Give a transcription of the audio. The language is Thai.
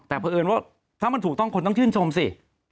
แต่เพราะเอิญว่าถ้ามันถูกต้องคนต้องชื่นชมสิ